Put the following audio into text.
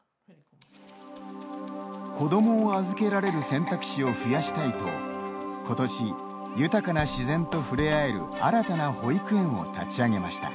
子どもを預けられる選択肢を増やしたいとことし、豊かな自然と触れあえる新たな保育園を立ち上げました。